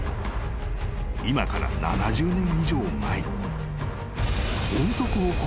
［今から７０年以上前に］